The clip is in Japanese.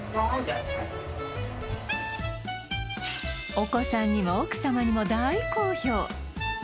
お子さんにも奥様にも大好評！